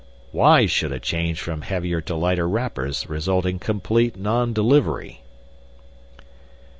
Why should a change from heavier to lighter wrappers result in complete non delivery?"